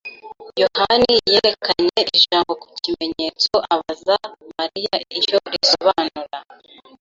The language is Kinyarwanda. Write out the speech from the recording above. yohani yerekanye ijambo ku kimenyetso abaza Mariya icyo risobanura.